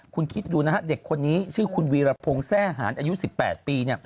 คุณคิดดูนะฮะเด็กคนนี้ชื่อคุณวีรพงศ์แทร่หารอายุ๑๘ปี